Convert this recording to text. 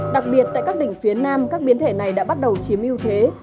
đặc biệt tại các tỉnh phía nam các biến thể này đã bắt đầu chiếm ưu thế